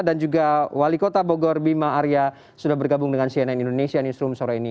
dan juga wali kota bogor bima arya sudah bergabung dengan cnn indonesia newsroom sore ini